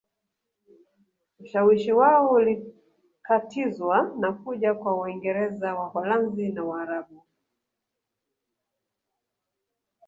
Ushawishi wao ulikatizwa na kuja kwa Waingereza Waholanzi na Waarabu